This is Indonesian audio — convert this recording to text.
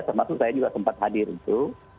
termasuk saya juga sempat hadir itu